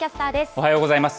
おはようございます。